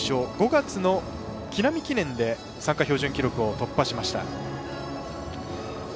５月の木南記念で参加標準記録を突破しました。